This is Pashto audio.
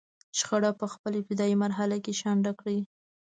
شخړه په خپله ابتدايي مرحله کې شنډه کړي.